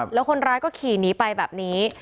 แล้วคนร้ายก็ขี่หนีไปแบบนี้